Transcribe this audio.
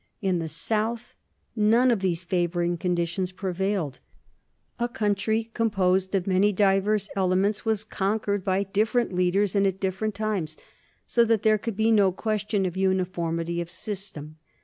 In the south none of these favoring conditions prevailed. A country com posed of many diverse elements was conquered by different leaders and at different times, so that there could be no question of uniformity of system.